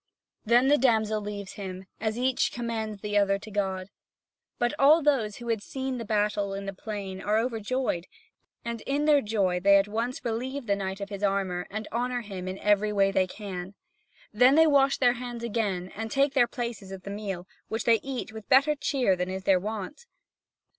Then the damsel leaves him, as each commends the other to God. But all those who had seen the battle in the plain are overjoyed, and in their joy they at once relieve the knight of his armour, and honour him in every way they can. Then they wash their hands again and take their places at the meal, which they eat with better cheer than is their wont.